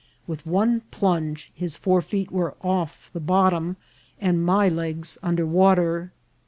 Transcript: With one plunge his fore feet were off the bottom, and my legs under water.